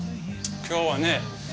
今日はね